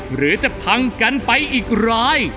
หรือจะพังกันไปอีกราย